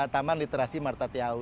taman literasi marta tiahau